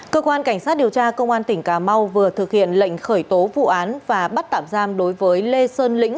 cơ quan cảnh sát điều tra công an tỉnh cà mau vừa thực hiện lệnh khởi tố vụ án và bắt tạm giam đối với lê sơn lĩnh